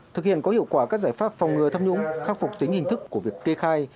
thực hiện có hiệu quả các giải pháp phòng ngừa tham nhũng khắc phục tính hình thức của việc kê khai